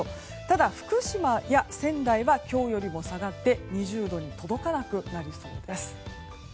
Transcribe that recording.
ただ福島や仙台は今日よりも下がって２０度に届かなくなりそうです。